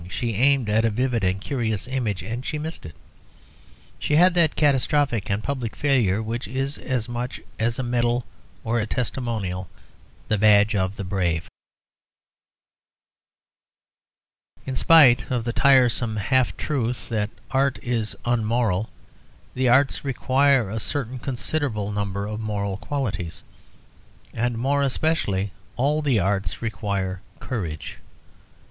She aimed at a vivid and curious image, and she missed it. She had that catastrophic and public failure which is, as much as a medal or a testimonial, the badge of the brave. In spite of the tiresome half truth that art is unmoral, the arts require a certain considerable number of moral qualities, and more especially all the arts require courage.